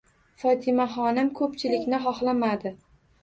Fotimaxonim ko'pchilikni xohlamadi.